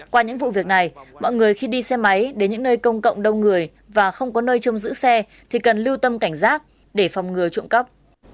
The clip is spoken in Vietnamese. qua những vụ việc này mọi người khi đi xe máy đến những nơi công cộng đông người và không có nơi trông giữ xe thì cần lưu tâm cảnh giác để phòng ngừa trộm cắp